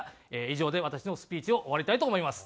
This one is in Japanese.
以上で私のスピーチを終わりたいと思います。